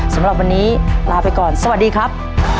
สำหรับวันนี้ลาไปก่อนสวัสดีครับ